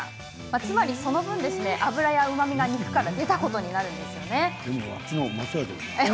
つまりその分、脂やうまみが肉から出たことになります。